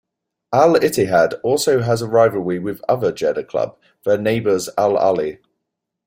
Al-Ittihad also has a rivalry with other Jeddah club, their neighbors Al-Ahli.